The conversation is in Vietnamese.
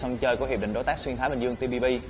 vô sông chơi của hiệp định đối tác xuyên thái bình dương tpp